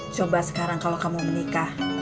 coba sekarang kalau kamu menikah